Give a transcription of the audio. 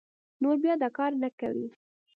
نور بيا دا کار نه کوي